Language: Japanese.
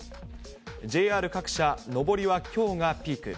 ＪＲ各社、上りはきょうがピーク。